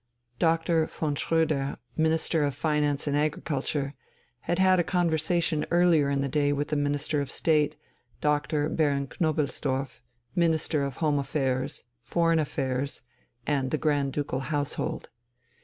Dr. von Schröder, Minister of Finance and Agriculture, had had a conversation earlier in the day with the Minister of State, Dr. Baron Knobelsdorff, Minister of Home Affairs, Foreign Affairs, and the Grand Ducal Household.